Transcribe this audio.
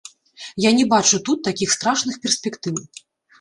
Я не бачу тут такіх страшных перспектыў.